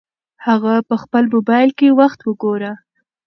هغه په خپل موبایل کې وخت وګوره.